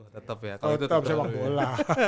tetep sepak bola